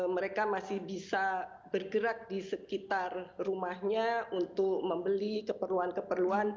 mereka masih bisa bergerak di sekitar rumahnya untuk membeli keperluan keperluan